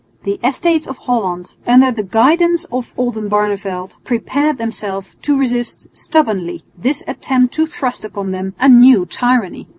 The Estates of Holland, under the guidance of Oldenbarneveldt, prepared themselves to resist stubbornly this attempt to thrust upon them a new tyranny.